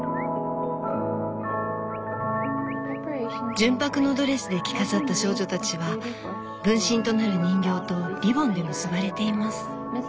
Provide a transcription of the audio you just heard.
純白のドレスで着飾った少女たちは分身となる人形とリボンで結ばれています。